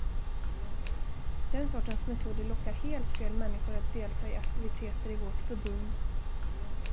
Den sortens metoder lockar helt fel människor att delta i aktiviteter i vårt förbund.